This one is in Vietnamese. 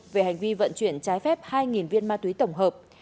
về hành vi vận chuyển trái phép hai viên ma túy tổng hợp